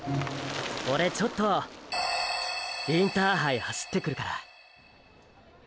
オレちょっとインターハイ走ってくるから！